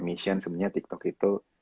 mission sebenernya tiktok itu